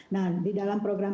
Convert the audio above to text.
nah di dalam program